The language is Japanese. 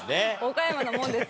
岡山のものです。